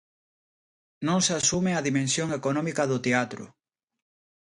Non se asume a dimensión económica do teatro.